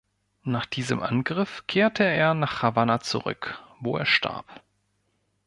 Nach diesem Angriff kehrte er nach Havanna zurück, wo er starb.